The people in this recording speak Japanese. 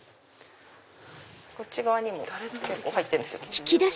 こっち側にも結構入ってるんですよ。